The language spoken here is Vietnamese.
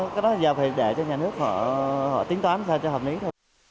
cái đó giờ phải để cho nhà nước họ tính toán ra cho hợp lý thôi